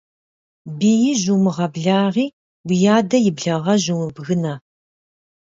Биижь умыгъэблагъи, уи адэ и благъэжь умыбгынэ.